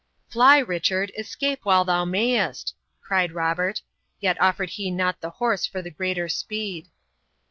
"Fly, Richard; escape while thou mayest!" cried Robert, yet offered he not the horse for the greater speed.